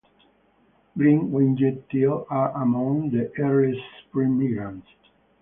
Green-winged teal are among the earliest spring migrants.